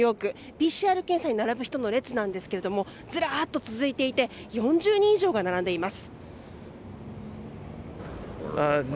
ＰＣＲ検査に並ぶ人の列なんですがずらっと続いていて４０人以上が並んでいます。